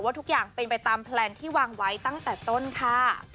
ทุกอย่างเป็นไปตามแพลนที่วางไว้ตั้งแต่ต้นค่ะ